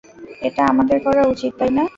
এটা আমাদের করা উচিত, তাই না?